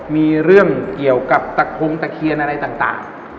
มีเรื่องเกี่ยวกับตะพงตะเคียนอะไรต่าง